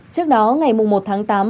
trước đó ngày một tháng tám